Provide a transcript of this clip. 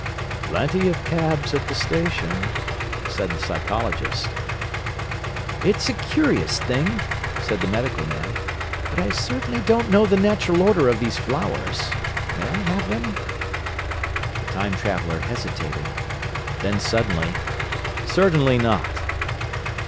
"Plenty of cabs at the station," said the Psychologist. "It's a curious thing," said the Medical Man; "but I certainly don't know the natural order of these flowers. May I have them?" The Time Traveller hesitated. Then suddenly: "Certainly not."